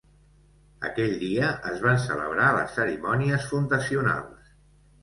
Aquell dia es van celebrar les cerimònies fundacionals.